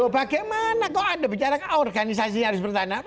bagaimana kok anda bicara organisasi harus bertahanan